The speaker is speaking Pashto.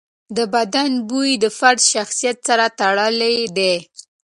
د بدن بوی د فرد شخصیت سره تړلی دی.